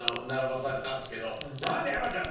「なんだ山ちゃん